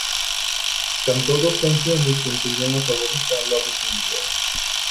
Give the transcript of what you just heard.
Cantó dos canciones que incluían la favorita "Love is in the Air".